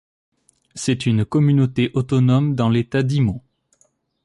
C'est une communauté autonome dans l'État d'Imo.